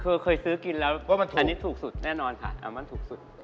คือเคยซื้อกินแล้วทรุกสุดแน่นอนครับอัลมอนร์ทุกสุด